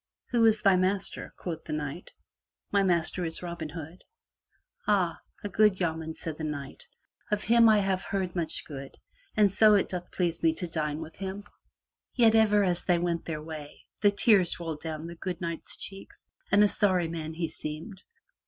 "Who is thy master?" quoth then the knight. "My master is Robin Hood." "Ah, a good yeoman," said the knight. "Of him I have heard much good and so doth it please me to dine with him." Yet ever as they went their way, the tears rolled down the good Knight's cheeks, and a sorry man he seemed.